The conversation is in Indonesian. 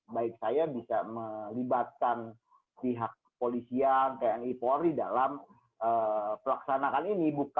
baik saya bisa melibatkan pihak polisi yang tni polri dalam pelaksanakan ini